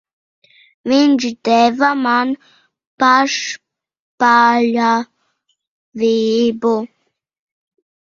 Viņš deva man pašpaļāvību.